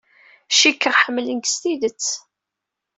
Cikkeɣ ḥemmlen-k s tidet.